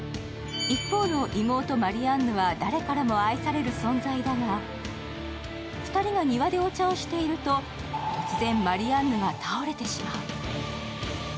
一方の妹・マリアンヌは誰からも愛される存在だが２人が庭でお茶をしていると、突然、マリアンヌが倒れてしまう。